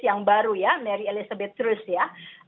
yang baru ya mary elizabeth terus ya